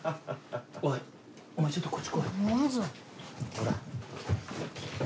ほら。